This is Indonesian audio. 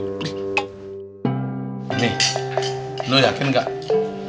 turisik banget sih makan segitu aja juga kayak gilingan padi aja nih